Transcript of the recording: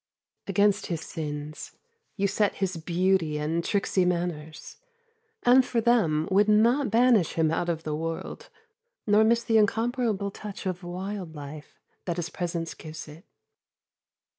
Against his sins you set his beauty and tricksy manners, and for them would not banish him out of the world nor miss the incomparable touch of wild life that his presence gives it.